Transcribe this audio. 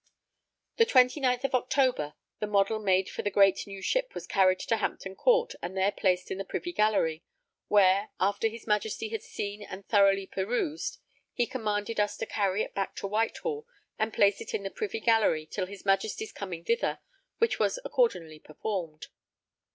The 29th October, the model made for the great new ship was carried to Hampton Court and there placed in the Privy Gallery, where, after his Majesty had seen and thoroughly perused, he commanded us to carry it back to Whitehall and place it in the Privy Gallery till his Majesty's coming thither; which was accordingly performed.